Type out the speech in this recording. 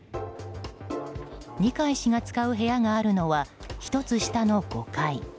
二階氏が使う部屋があるのは１つ下の５階。